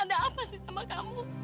ada apa sih sama kamu